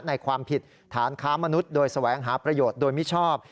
ความผิดฐานค้ามนุษย์โดยแสวงหาประโยชน์โดยมิชอบ